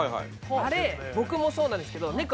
あれ僕もそうなんですけどネコ